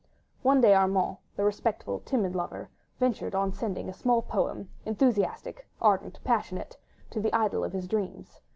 One day Armand, the respectful, timid lover, ventured on sending a small poem—enthusiastic, ardent, passionate—to the idol of his dreams.